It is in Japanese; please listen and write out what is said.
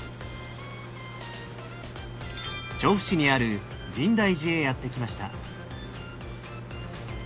調布市にある深大寺へやって来ました。